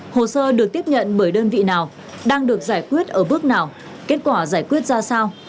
hồ sơ được tiếp nhận bởi đơn vị nào đang được giải quyết ở bước nào kết quả giải quyết ra sao